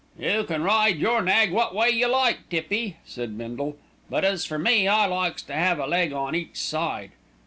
"You can ride your nag wot way you like, Tippy," said Bindle; "but as for me, I likes to 'ave a leg each side.